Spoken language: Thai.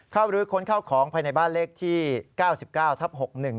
หรือค้นเข้าของภายในบ้านเลขที่๙๙ทับ๖๑